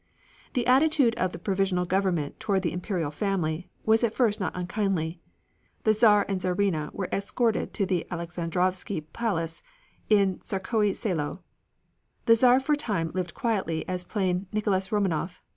The attitude of the provisional government toward the Imperial family was at first not unkindly. The Czar and the Czarina were escorted to the Alexandrovsky Palace in Tsarskoe Selo. The Czar for a time lived quietly as plain Nicholas Romanov.